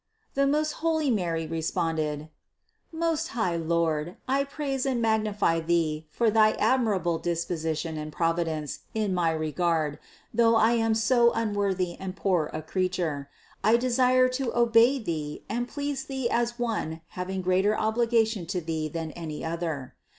The most holy Mary re sponded: "Most high Lord, I praise and magnify Thee for thy admirable disposition and providence in my re gard, though I am so unworthy and poor a creature; I desire to obey Thee and please Thee as one hav ing greater obligation to Thee than any other.